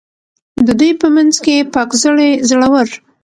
د دوی په منځ کې پاک زړي، زړه ور.